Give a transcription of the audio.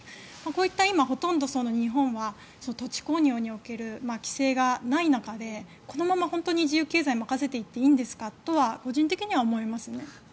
こういった今、ほとんど日本は土地購入における規制がない中でこのまま本当に自由経済に任せていっていいんですかとは個人的には思いますね。